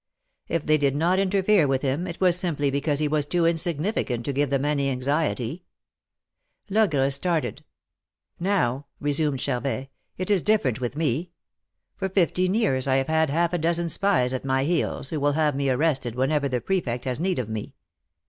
If they did not interfere with him, it was simply because he was too insignificant to give them any anxiety." Logre started. "Now," resumed Charvet, "it is different with me. For fifteen years I have had half a dozen spies at my heels, who will have me arrested whenever the Prefect has need of me."